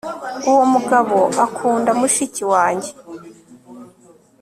uwo mugabo akunda mushiki wanjye